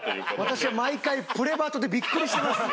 私は毎回『プレバト！！』でビックリしてます。